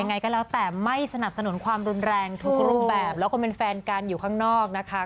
ยังไงก็แล้วแต่ไม่สนับสนุนความรุนแรงทุกรูปแบบแล้วก็เป็นแฟนกันอยู่ข้างนอกนะคะ